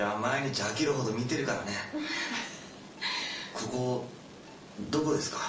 ここどこですか？